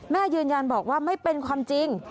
แม่ยืนยันบอกว่าไม่เป็นความจริง